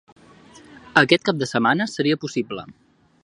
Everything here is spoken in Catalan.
Aquest cap de setmana seria possible.